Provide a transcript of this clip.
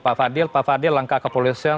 pak fadil pak fadil langkah kepolisian